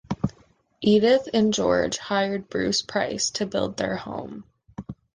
Edith and George hired Bruce Price, to build their home.